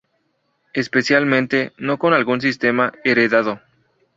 Especialmente no con algún sistema heredado.